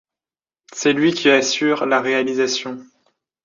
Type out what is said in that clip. C'est lui qui assure la réalisation.